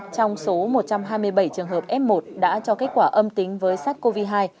một trăm một mươi năm trong số một trăm hai mươi bảy trường hợp f một đã cho kết quả âm tính với sát covid hai